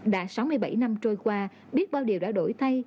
đã sáu mươi bảy năm trôi qua biết bao điều đã đổi thay